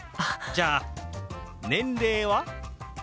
じゃあ年齢は？